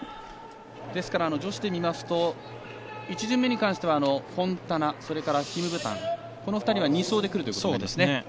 ですから女子で見ますと１順目に関してはフォンタナそれからキム・ブタンこの２人は２走でくるということですね。